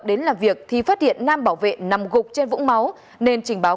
đến làm việc thì phát hiện nam bảo vệ nằm gục trên vũng máu nên trình báo